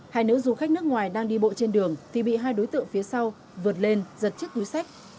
hai nữ du khách nước ngoài đang đi bộ trên đường thì bị hai đối tượng phía sau vượt lên giật chiếc túi sách